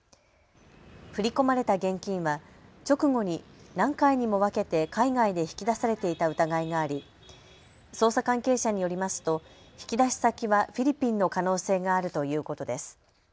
振り込まれた現金は直後に何回にも分けて海外で引き出されていた疑いがあり捜査関係者によりますと引き出し先はフィリピンの可能性があるということです。